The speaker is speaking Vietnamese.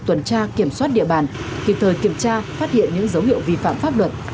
tuần tra kiểm soát địa bàn kịp thời kiểm tra phát hiện những dấu hiệu vi phạm pháp luật